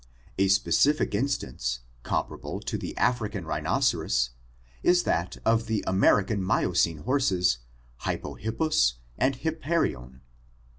A specific instance, comparable to the African rhinoceros, is that of the American Miocene horses Hypohippus and Hip Parian.